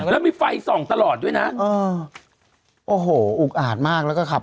แล้วมีไฟส่องตลอดด้วยนะโอ้โหอุกอาดมากแล้วก็ขับ